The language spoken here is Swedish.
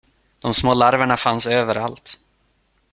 De små larverna fanns överallt.